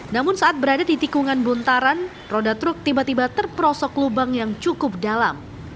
namun saat berada di tikungan buntaran roda truk tiba tiba terperosok lubang yang cukup dalam